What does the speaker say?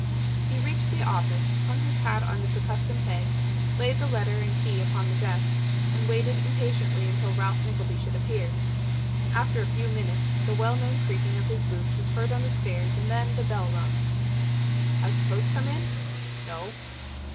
He reached the office, hung his hat on its accustomed peg, laid the letter and key upon the desk, and waited impatiently until Ralph Nickleby should appear. After a few minutes, the well known creaking of his boots was heard on the stairs, and then the bell rung. 'Has the post come in?' 'No.